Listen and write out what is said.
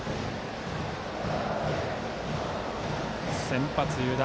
先発、湯田。